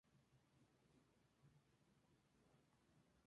Está incluido en el álbum debut del grupo titulado "St.